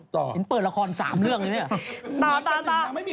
เห็นเปิดละคร๓เรื่องเลยเนี่ย